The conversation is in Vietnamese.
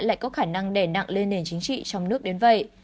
lại có khả năng đè nặng lên nền chính trị trong nước đến vậy